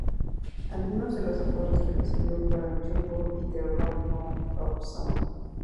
Algunos de los apodos que recibió fueron 'Jumbo' y 'The Round Mound of Sound'.